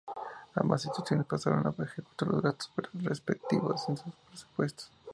Ambas instituciones pasaron a ejecutar los gastos respectivos en sus presupuestos.